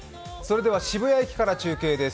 渋谷駅から中継です。